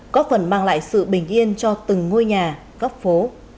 góp phần mang lại sự bình yên cho từng ngôi nhà góp phố